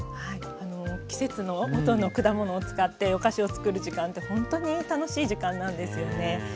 季節の果物を使ってお菓子をつくる時間ってほんとに楽しい時間なんですよね。